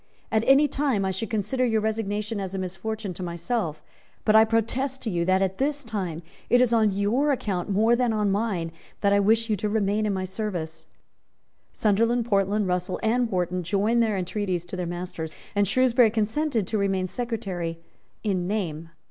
At any time, I should consider your resignation as a misfortune to myself but I protest to you that, at this time, it is on your account more than on mine that I wish you to remain in my service." Sunderland, Portland, Russell and Wharton joined their entreaties to their master's; and Shrewsbury consented to remain Secretary in name.